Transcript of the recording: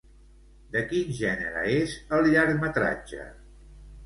De quin gènere és el llargmetratge?